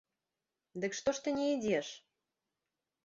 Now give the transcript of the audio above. Дык што ж ты не ідзеш!